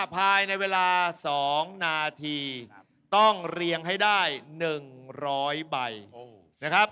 ภายในเวลา๒นาทีต้องเรียงให้ได้๑๐๐ใบนะครับ